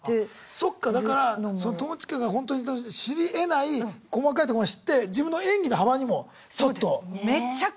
そっかだから友近がほんとに知りえない細かいとこまで知って自分の演技の幅にもちょっと。